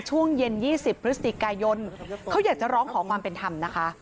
ช่วงเย็น๒๐พฤศจิกายนเขาอยากจะร้องขอความเป็นธรรมนะคะ